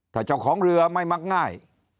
ถ้าเจ้าของเรือไม่มักง่าย